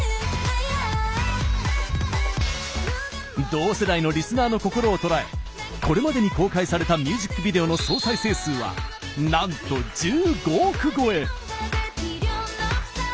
同世代のリスナーの心を捉えこれまでに公開されたミュージックビデオの総再生数は、なんと１５億超え。